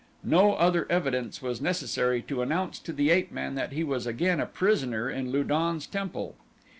No other evidence was necessary to announce to the ape man that he was again a prisoner in Lu don's temple.